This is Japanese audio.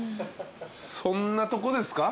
そんなとこですか？